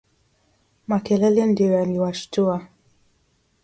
Makelele nd’o yaliwashtua